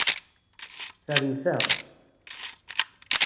Fernet-aɣ!